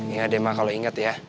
ingat deh ma kalo inget ya